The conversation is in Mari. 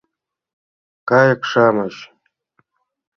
КАЙЫК-ШАМЫЧ